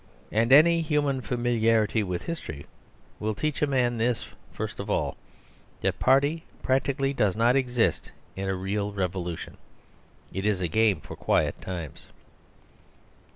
And any human familiarity with history will teach a man this first of all: that Party practically does not exist in a real revolution. It is a game for quiet times.